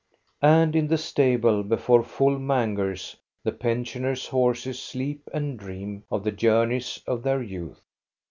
And in the stable before full mangers the pension ers' horses sleep and dream of the journeys of their youth.